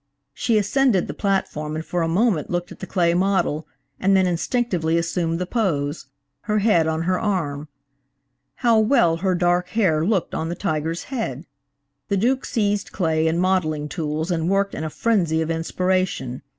She ascended the platform and for a moment looked at the clay model, and then instinctively assumed the pose, her head on her arm. How well her dark hair looked on the tiger's head! The Duke seized clay and modeling tools and worked in a frenzy of inspiration.